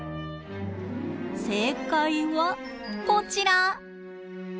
正解はこちら！